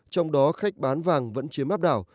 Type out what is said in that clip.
trong đó khách bán vàng vẫn chiếm áp đảo